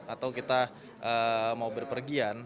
atau kita mau berpergian